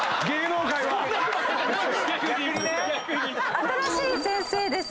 新しい先生です。